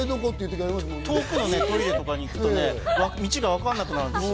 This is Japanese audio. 遠くのトイレに行くと道がわからなくなるんです。